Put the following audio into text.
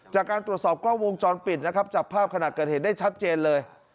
จากการตรวจสอบกล้องวงจรปิดนะครับจับภาพขณะเกิดเหตุได้ชัดเจนเลย